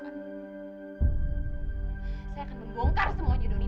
saya akan membongkar semuanya dunia